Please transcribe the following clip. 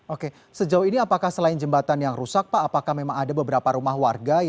oke sejauh ini apakah selain jembatan yang rusak pak apakah memang ada beberapa rumah warga